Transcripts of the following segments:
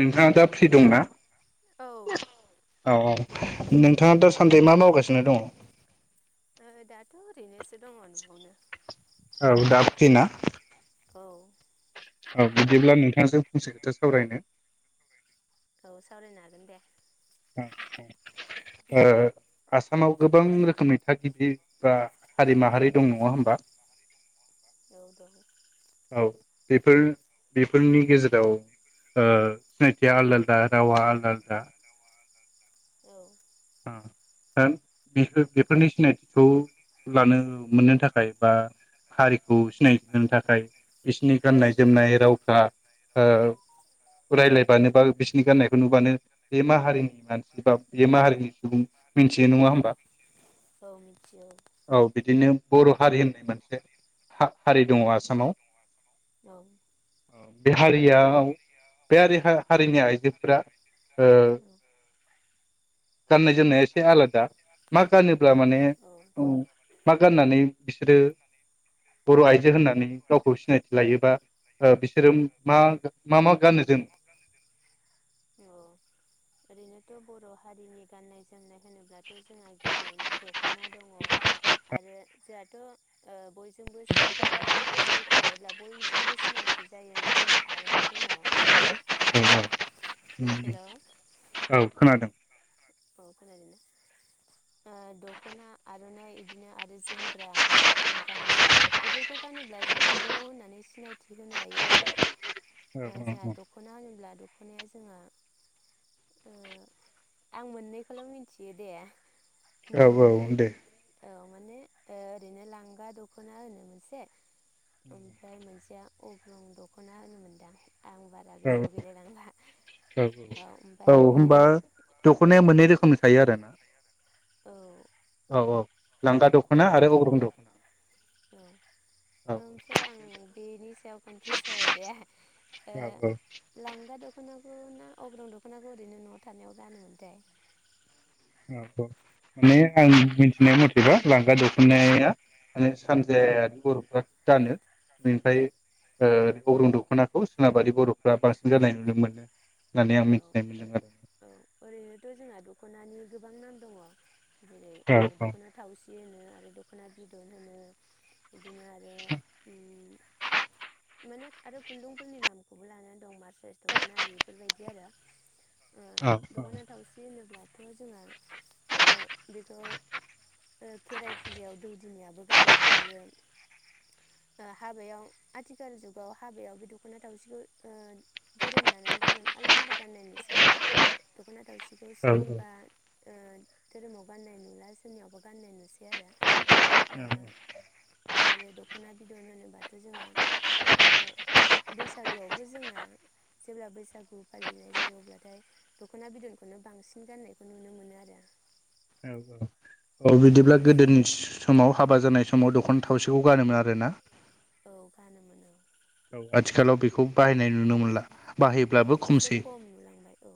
नोंथाङा दा फ्रि दंना औ औ औ फ्रि नोंथाङा दासान्दि मा मावगासिनो दङ? ओ दाथ' ओरैनोसो दङ न'आवनो औ दा फ्रि ना। औ औ बिदिब्ला नोंथांजों फंसे खोथा सावरायनो औ सावरायनो हागोन दे ओ ओ आसामाव गोबां रोखोमनि थागिबि बा हारि माहारि दं नङा होमबा। औ दं औ बेफोर बेफोरनि गेजेराव ओ सिनायथिया आलदा आलदा रावा आलदा आलदा औ दा बेफोर बेफोरनि सिनायथिखौ लानो मोननो थाखाय बा हारिखौ सिनायथि होनो थाखाय बिसिनि गाननाय जोमनाय रावफ्रा ओ रायलायबानो बा बिसोरनि गाननायखौ नुबानो बे मा हारिनि मानसि बा बे मा हारिनि मिथियो नङा होमबा औ मिथियो औ बिदिनो बर' हारि होननाय मोनसे हा-हारि दङ आसामाव औ। बे हारियाव बे हारि हा-हारिनि आइजोफोरा ओ गाननाय जोमनाया एसे आलादा मा गानोब्ला माने ओ मा गाननानै बिसोरो बर आइजो होननानै गावखौ सिनायथि लायोबा, ओ बिसोरो मा मा मा गानो जोमो औ ओरैनोथ बर हारिनि गाननाय जोम जोमनाय होनोब्लाथ जोंहा गिबियावनो दखना दखना दङ आरो जोंहाथ ओ बयजोंबो ओ जायखौ लायोब्ला बयजोंबो सिनायथि जायो होनबा जोंहा आरनाइ दङ हेल' औ खोनादों। औ खोनादों ओ दखना आरनाइ बिदिनो आरो जोमग्रा आरो गामसा बेफोरखौ गानोब्ला जोंहा बर होननानै सिनायथि होनो हायो आरो। औ ओ जोंहा दखना होनोब्ला दखनाया जों [unintelligible] आं मोननैखौल मिन्थियो दे औ औ मोननै औ दे औ माने ओरैनो लांगा दखना होनो मोनसे ओमफ्राय मोनसेया अग्रं दखना होनो मोनदां आं बारा औ गोसोआव गैलायलांला औ। औ आरो होनबा दखनाया मोननै रोखोमनि थायो आरोना? औ औ औ लांगा औ दखना आरो अग्रं दख ओमफ्राय आं बे नि साया कन्पिउस जाबाय दे औ ओ लांगा द दखनाखौ ना अग्रं दखनाखौ ओरैनो नआव थानायाव जानोमोनथाय? औ माने आं मिथिनाय मथेबा लांगा दखनाया माने सानजायारि बरफ्रा गानो। बेनिफ्राय ओ अग्रं दखनाखौ सोनाबारि बरफ्रा बांसिन गाननाय नुनो मोनो। होननानै आं मिथिनाय मोनदों ओरैहायथ जोंना दखनानि गोबां नामा दङ औ औ। बिदि होनो आरो दखना बिदन होनो बिदिनो आरो उम माने आरो खुन्दुंफोरनि नामखौबो लानानै दं मासस्रास दखनारि बेफोरबायदि बिदि आरो। औ औ। थ जोंहा बेखौ खेराइ फुजायाव दौदिनियाबो गानो आरो हाबायाव आथिखाल जुगाव हाबायाव बे दखना थावसिखौ धोरोम लानानै धोरोम आलदा आलदा गाननाय नुयोसै आरो दखना थावसि बे औ सोरनिबा ओ धोरोमाव गाननाय नुला जोंनियावबो गान्नाय नुसै आरो। ओ औ आरो दखना बिदन होनोबा जोंहा बैसागुआवबो जोङो जेब्ला बैसागु बलिनाय जायो अब्लाथाय दखना बिदनखौनो बांसिन गाननायखौ नुनो मोनो आरो। औ औ। औ बिदिब्ला गोदोनि समाव हाबा जानाय समाव दखना थावसिखौ गानोमोन आरोना? औ गानोमोन औ। आथिखालाव बेखौ बाहायनाय नुनो मोनला। औ बाहायब्लाबो एसे खमसै खम नुलांबाय औ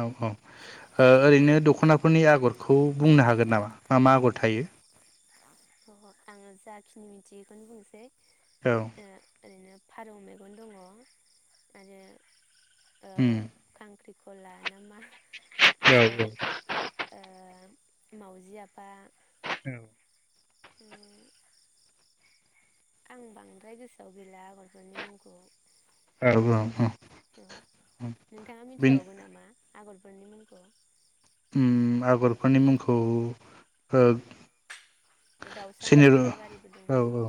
औ औ ओरैनो दखना फोरनि आगरखौ बुंनो हागोन नामा मा मा आगर थायो? औ आङो जाखिनि मिथियो बेखौनो बुंनोसै। औ। फारौ मेगन दङ आरो ओ उम खांख्रिं खला [unintelligible] औ आरो ओ मावजि आफा औ आं बांद्राय गोसोआव गैला आगरफोरनि मुंखौ औ ओ औ नोंथाङा बे मिथिबावगौ नामा आगरफोरनि मुंखौ उम आगरफोरनि मुंखौ ओ दाउसा सिनि मोख्रेब आरिबो औ दंमोन औ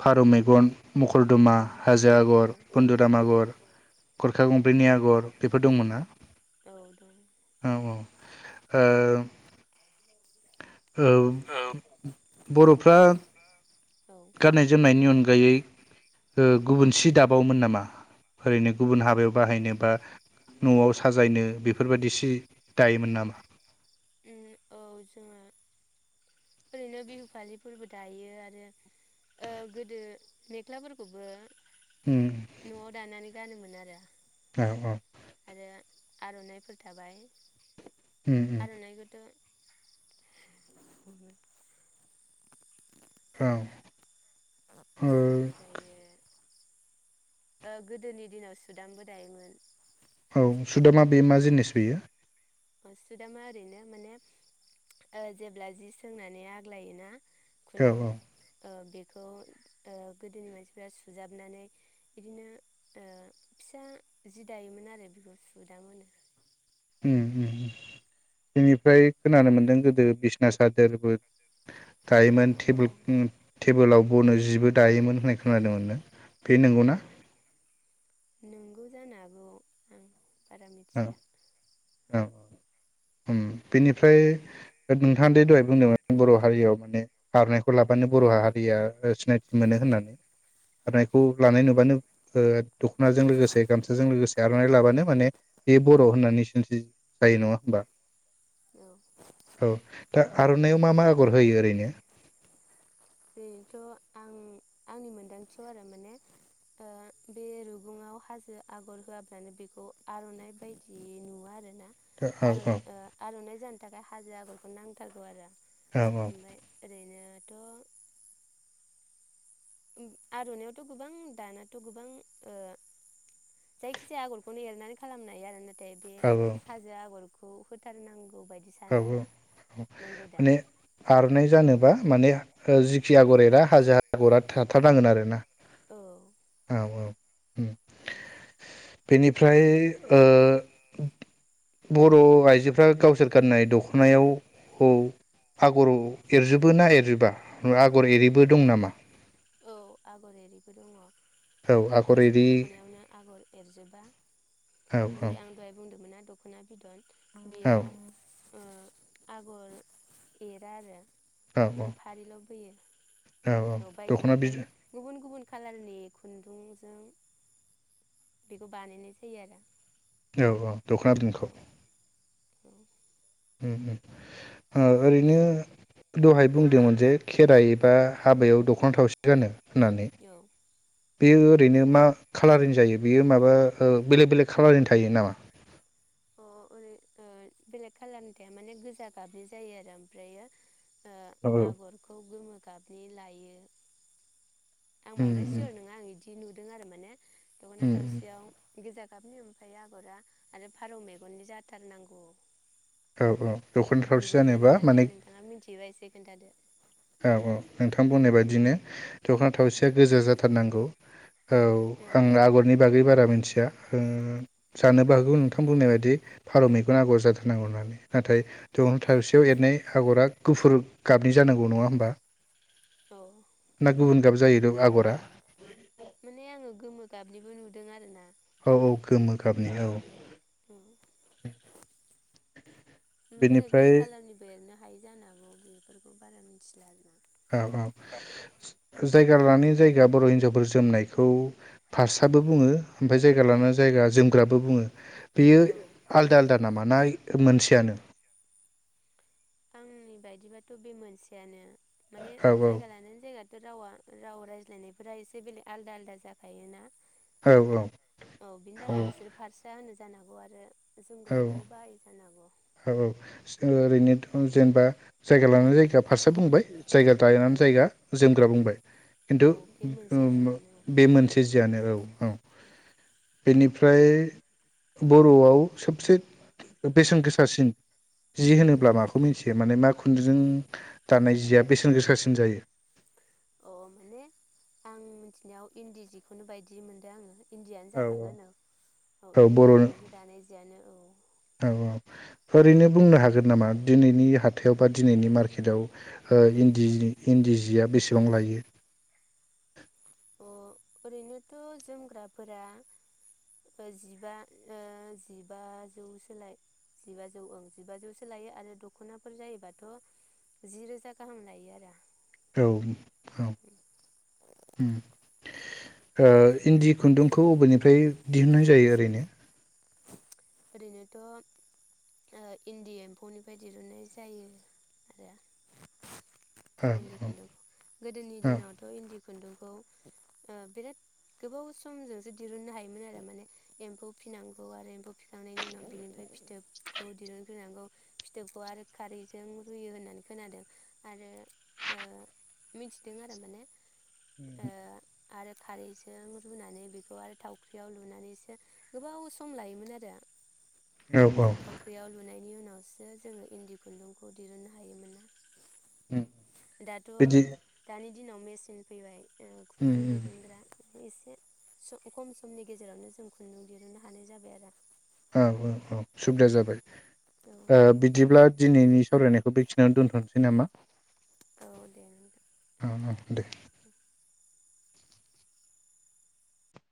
फारौ मेगन, मखरदमा, उम हाजो औ आगर, बुन्दुराम औ आगर, गरखा गं [unintelligible] आगर बेफोर दंमोन ना औ ओ औ बरफ्रा औ गाननाय जोमनायनि अनगायै औ गुबुन सि दाबावोन नामा ओरैनो गुबुन हाबायाव बाहायनो बा नआव साजायनो? बेफोरबायदि सि दायोमोन नामा उम औ ओरैनो बिहु फालिफोरबो दायो आरो गोदो मेख्लाफोरखौबो उम न'आव दानानै गानोमोन आरो औ औ आरो आरनाइफोर थाबाय उम उम [unintelligible] [inaudible] उम ओ गोदोनि दिनाव सुदामबो दायोमोन। औ सुदोमा बे मा जिनिस बेयो? सुदामा ओरैनो माने जेब्ला ओ जि सोंनानै आग्लायोना औ खुन्दुं ओ बे बेखौ ओ गोदोनि मानसिफ्रा सुजाबनानै इदिनो ओ फिसा जि दायोमोन आरो बेखौ सुदाम होनो। उम उम बेनिफ्राय खोनानो मोनदों गोदो बिसना सादोरबो अ औ गायोमोन टेबुल खुङो। टेबोलाव बनो जिबो दायोमोन होननाय खोनादोंमोननो। बे नंगौ ना? नंगौ जानो हागौ। बारा औ मिथिला औ उम बेनिफ्राय नोंथाङा दे दहाय बुंदोंमोन बर' हारियाव माने आर'नाइखौ लाबानो बर' हारिया सिनायथि मोनो होननानै औ आर'नाइखौ लानाय नुबानो ओ दख'नाजों लोगोसे गामसाजों लोगोसे आर'नाइ लाबा नों माने बे बर' होननानै सोंस्रि जायो नङा होमबा? औ औ दा आर'नाइयाव मा मा आगर होयो ओरैनो? बेथ आं आंनि मोनदांथियाव आरो माने ओ बे रुगुङाव हाजो आगर होआब्लानो बेखौ आर'नाइ बायदि नुवा आरोना। औ आरो औ ओ आर'नाइ फुजानि थाखाय हाजो आग'रखौ नांथारगौ आरो औ ओमफ्राय ओरैनो दं। ओम आर'नाइआवथ' गोबां दानाथ' गोबां ओ जायखि जाया आगरखौनो एरनानै खालामनो हायो आरो ना थाय बे हाजो आगर खौ होथारनां औ औ औ दा माने आर'नाइ जानोबा माने ओ जि खि आगर एरा हाजो आगरा थाथारनांगोन आरो ना। औ। औ औ ओम। उम बेनिफ्राय ओ बर' आइजोफ्रा गावसोर गाननाय दख'नायाव औ आगर एरजोबो ना एरजोबा आगर एरिबो दं नामा? औ आगर एरिबो दङ। औ ओ आगर गासिबो एरि दख'नायावनो आगर एरजोबा। औ जेरै आं दहाय बुंदोंमोनना। दख'ना बिदन। आंबियाव ओ आगर एरा आरो औ माने फारिल' बोयो औ औ औ दख'ना बायदि बिदन माने गुबुन गुबुन गुबुन कालालनि खुन्दुंजों बेखौ बानायनाय जायो आरो। औ औ। दख'ना बिदनखो? औ ओम ओम ओ ओरैनो दहाय बुंदोंमोन जे खेराइ एबा हाबायाव दखना थावसि गानो होननानै औ बेयो ओरैनो मा खालारनि जायो बेयो माबा ओ बेलेग बेलेग खालारनि थायो नामा? अ ओरै ओ बेलेग खालारनि थाया माने गोजा गाबनि जायो आरो ओमफ्रायो ओ औ औ आग'रखौ गोमो गाबनि लायो। आं उम बांद्राय उम सिअर नङा आं इदि इदि नुदों आरो माने दख'ना उम उम थावसियाव गोजा गाबनि ओमफ्राय आग'रा आरो फारौ मेगननि जाथारनांगौ। औ दां औ दख'ना थावसि नोंगौ ना जानोबा माने नङाथाय नोंथाङा मिनथियोबा एसे खोन्थादो। औ औ नोंथां बुंनाय बायदिनो दख'ना थावसिया औ गोजा जाथारनांगौ। औ आं औ आग'रनि बागै बारा मोनथिया ओ औ जानोबो हागौ नोंथां बुंनाय बायदि दि फारौ मैगन आग'र जाथारनांगौ होननानै नाथाय दुहां थावसेयाव एरनाय आग'रा गुफुर गाबनि जानांगौ। औ नङा होमबा? औ ना गुबुन गाब जायो? [unintelligible] आग'रा माने आङो गोमो गाबनिबो नुदों आरो ना। औ औ गोमो गाबनि औ। औ [unintelligible] उम बेलेग बेनिफ्राय बेलेग कालारनिबो एलोना हाय जानोहागौ बेफोरखौ बारा मिथिला आरो ना। औ औ जायगा लानाय जायगा बर हिनजावफोर जोमनायखौ फास्राबो बुङो ओमफाय जायगा लानानै जायगा जोमग्राबो बुङो। बेयो औ आलदा आलदा नामा नाय मोनसेयानो? आंनि बायदिबाथ' बे मोनसेयानो। माने औ जायगा लानानै जायगायाथ' रावा राव रायज्लायनायफोरा एसे बेलेग आलादा आलदा जाखायोना? औ औ बिनि थाखाय बिसोरो फार्से होनो जानो हागौ आरो औ जोमग्राखौबो बाहायो जानोहागौ! औ औ ओ ओरैनोथ' जेनेबा जायगा लानानै जायगा फास्राआ बुंबाय जायगा दायनानै जायगा जों ग्रा बुंबाय। खिन्थु औ बे मोनसे उम जियानो बे मोनसे जियानो औ औ। बेनिफ्राय बर'आव सोबसे बेसेन गोसा सिन जि उम होनोब्ला माखौ मिन्थियो माने मा खुन्दुंजों दानाय जिया बेसेन गोसासिन जायो अ माने आं मिनथिनायाव इन्दि जिखौनो बायदि मोनदों आङो! इन्दियानो जाखागोन औ औ इन्दि खुन्दुंजों दानाय जियानो औ औ ओरैनो बुंनो हागोन नामा दिनैनि हाथायाव बा दिनैनि मार्केटआव हो औ इन्दिजि इन्दिजि जिया बेसेबां लायो? अ ओरैनोथ' जोमग्राफोरा जिबा जिबाजौसो ला जिबाजौ ओं जिबाजौसो लायो आरो दखनाफोर जायोबाथ' जि रोजा गाहाम लायो आरो। औ औ ओ इन्दि खुन्दुंखौ अबेनिफ्राय दिहुननाय जायो ओरैनो? ओरैनोथ' इन्दि एम्फौनिफ्राय दिरुनन्नाय जायो औ आरो इन्दि खुन्दुंखौ गोदोनि दिनावथ' इन्दि खुन्दुंखौ बिराद गोबाव समजोंसो दिरुननो हायोमोन आरो माने एम्फौ फिनांगौ आरो एम्फौ थिखांनायनि उनाव बिनिफ्राय फिथोबखौ दिरुनफिनांगौ फिथोबखौ आरो खारैजों रुयो होननानै खोनादों आरो मिथिदों आरो माने ओ आरो खारैजों रुनानै बेखौ आरो थावख्रियाव लुनानैसो गोबाव सम लायोमोन आरो [unintelligible] औ औ थावख्रियाव लुनायनि उनाव उनावसो जोङो इन्दि खुन्दुंखौ दिरुन्नो हायोमोन ना? दाथ' बिदि दानि दिनाव मेचिन फैबाय ओं उम खुन्दुं उम [unintelligible] एसे स खम समनि गेजेरावनो जों खुन्दुं दिहुननो हानाय जाबाय आरो औ, औ, औ सुबिदा जाबाय औ ओ बिदिब्ला दिनैनि सावरायनायखौ बेखिनियाव दोन्थनोसै। नामा? औ दे नोंथां। औ, औ दे